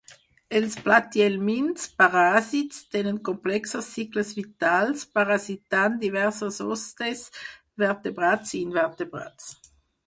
Els platihelmints paràsits tenen complexos cicles vitals, parasitant diversos hostes vertebrats i invertebrats.